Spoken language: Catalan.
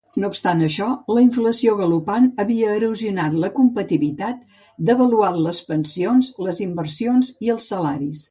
No obstant això, la inflació galopant havia erosionat la competitivitat, devaluat les pensions, les inversions i els salaris.